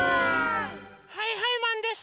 はいはいマンです！